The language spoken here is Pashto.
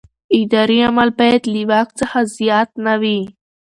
اداري عمل باید له واک څخه زیات نه وي.